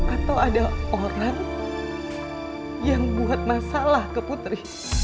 atau ada orang yang buat masalah ke putri